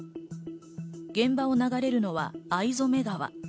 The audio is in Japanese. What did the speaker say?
現場を流れるのは逢初川。